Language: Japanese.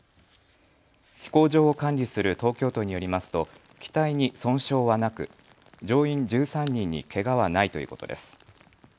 飛行場を管理する東京都によりますと機体に損傷はなく乗員１３人にけがはないということです。